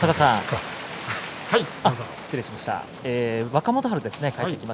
若元春です。